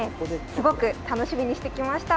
すごく楽しみにしてきました。